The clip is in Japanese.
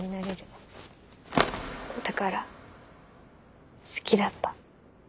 だから好きだった。